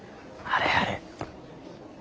あれあれ。